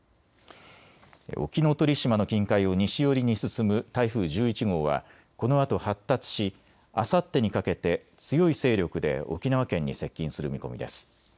沖ノ鳥島の近海を西寄りに進む台風１１号はこのあと発達しあさってにかけて強い勢力で沖縄県に接近する見込みです。